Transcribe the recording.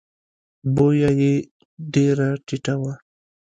بویه یې ډېره ټیټه وه.